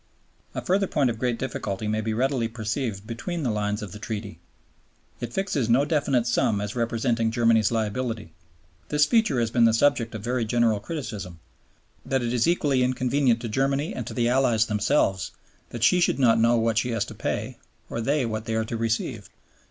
A further point of great difficulty may be readily perceived between the lines of the Treaty. It fixes no definite sum as representing Germany's liability. This feature has been the subject of very general criticism, that it is equally inconvenient to Germany and to the Allies themselves that she should not know what she has to pay or they what they are to receive.